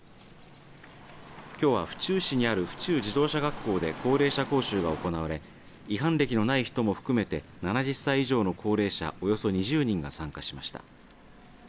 きょうは府中市にある府中自動車学校で高齢者講習が行われ違反歴のない人も含めて７０歳以上の高齢者およそ２０人が参加しました。